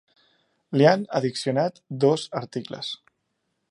Li han addicionat dos articles.